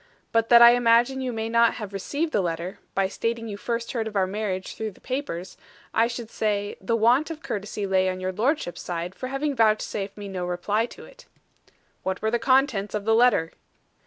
But that I imagine you may not have received the letter, by stating you first heard of our marriage through the papers, I should say, the want of courtesy lay on your lordship's side for having vouchsafed me no reply to it." "What were the contents of the letter?"